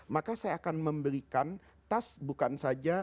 maka saya akan memberikan tas bukan saja untuk anak saya